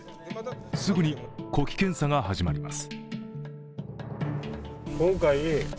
すぐに呼気検査が始まります。